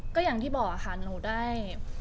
ก็อย่างที่บอกค่ะหนูได้